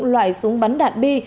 loại súng bắn đạn bi